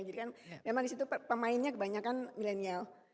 jadi kan memang di situ pemainnya kebanyakan milenial